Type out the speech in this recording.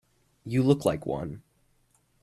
You look like one.